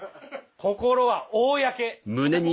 心は公！